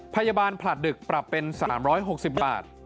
พยาบาลผลัดดึกปรับเป็น๓๖๐บาท